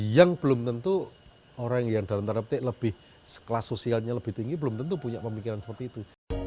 yang belum tentu orang yang dalam tanda petik lebih kelas sosialnya lebih tinggi belum tentu punya pemikiran seperti itu